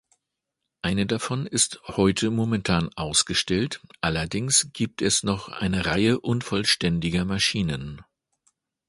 Eine davon ist heute momentan ausgestellt, allerdings gibt es noch eine Reihe unvollständiger Maschinen.